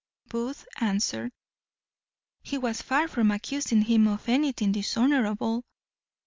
Booth answered, "He was far from accusing him of anything dishonourable."